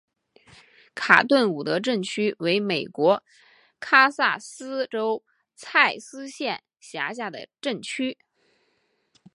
卡顿伍德镇区为美国堪萨斯州蔡斯县辖下的镇区。